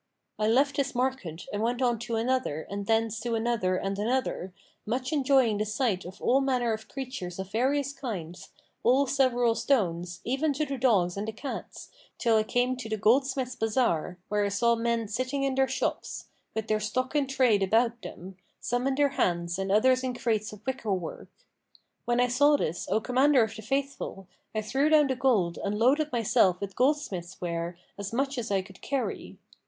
I left this market and went on to another and thence to another and another, much enjoying the sight of all manner of creatures of various kinds, all several stones, even to the dogs and the cats, till I came to the goldsmiths' bazar, where I saw men sitting in their shops, with their stock in trade about them, some in their hands and others in crates of wicker work. When I saw this, O Commander of the Faithful, I threw down the gold and loaded myself with goldsmiths' ware, as much as I could carry.